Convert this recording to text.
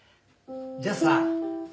じゃあさ